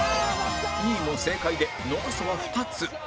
２位も正解で残すは２つ